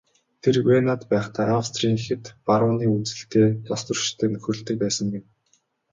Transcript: Тэр Венад байхдаа Австрийн хэт барууны үзэлтэй улстөрчтэй нөхөрлөдөг байсан гэнэ.